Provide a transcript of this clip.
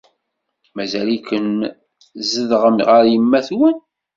Mazal-iken tzedɣem ɣer yemma-twen?